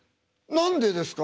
「何でですか？」